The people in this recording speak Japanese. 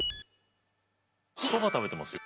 そば食べてますよ。